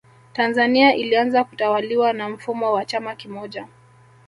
Tanzania ilianza kutawaliwa na mfumo wa chama kimoja